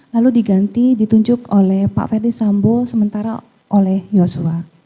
lalu diganti ditunjuk oleh pak ferdis sambo sementara oleh yosua